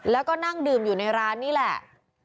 แล้วก็นั่งดื่มอยู่ในร้านนี่แหละ